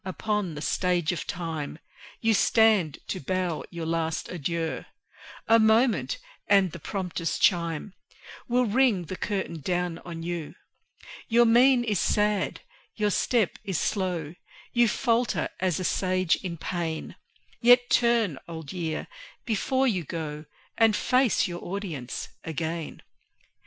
upon the Stage of Time You stand to bow your last adieu; A moment, and the prompter's chime Will ring the curtain down on you. Your mien is sad, your step is slow; You falter as a Sage in pain; Yet turn, Old Year, before you go, And face your audience again.